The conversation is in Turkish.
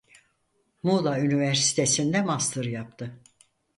Muğla Üniversitesi'nde master yaptı.